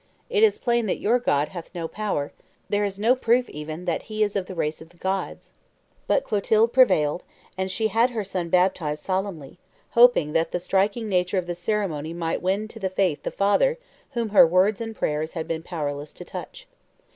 It is plain that your God hath no power; there is no proof even that He is of the race of the gods." But Clotilde prevailed; and she had her son baptized solemnly, hoping that the striking nature of the ceremony might win to the faith the father whom her words and prayers had been powerless to touch.